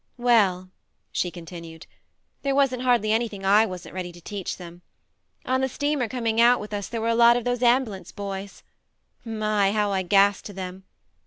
" Well," she continued, " there wasn't hardly anything / wasn't ready to teach them. On the steamer coming out with us there was a lot of those Amb'lance boys. My ! How I gassed to them.